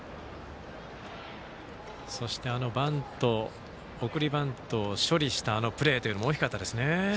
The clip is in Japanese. そして送りバントを処理したあのプレーも大きかったですね。